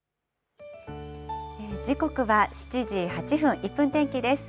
時刻は７時８分、１分天気です。